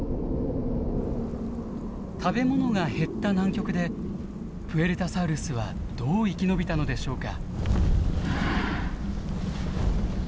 食べ物が減った南極でプエルタサウルスはどう生き延びたのでしょうか。